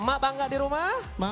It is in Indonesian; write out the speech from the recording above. mak bangga di rumah